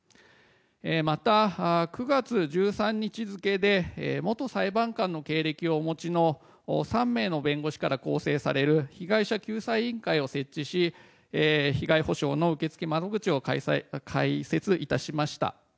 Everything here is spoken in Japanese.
また、９月１３日付で元裁判官の経歴をお持ちの３名の弁護士から構成される被害者救済委員会を設置し被害補償の受付窓口を開設いたしました。